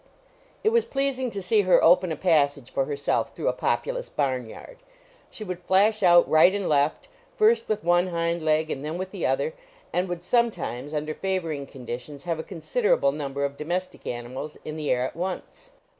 It was pleasing to see her open a passage for herself through a populous barnyard. She would flash out, right and left, first with one hind leg and then with the other, and would sometimes, under favoring conditions, have a considerable number of domestic animals in the air at once.